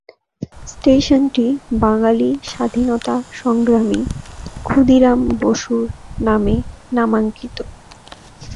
স্টেশনটি বাঙালি স্বাধীনতা সংগ্রামী ক্ষুদিরাম বসুর নামে নামাঙ্কিত।